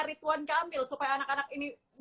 rituan kamil supaya anak anak ini